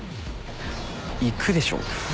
行くでしょ。